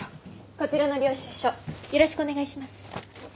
こちらの領収書よろしくお願いします。